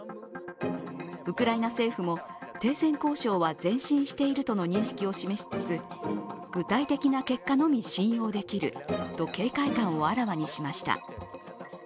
ウクライナ政府も停戦交渉は前進しているとの認識を示しつつ具体的な結果のみ信用できると警戒感をあらわにしました。